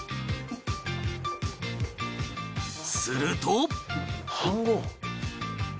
すると